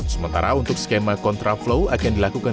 sementara untuk skema contra flow akan dilakukan